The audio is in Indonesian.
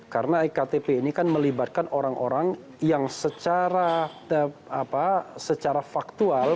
karena ektp ini kan melibatkan orang orang yang secara faktual